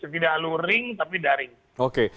tidak luring tapi daring oke